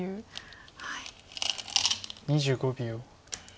２５秒。